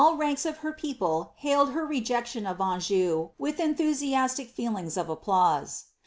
iks of her people hailed her rejection of Anjou with enthusiastic >f applause.